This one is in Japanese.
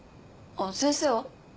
先生は？